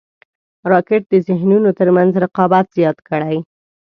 راکټ د ذهنونو تر منځ رقابت زیات کړی